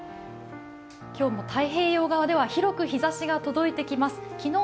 今日も太平洋側では広く日ざしが届いてきます。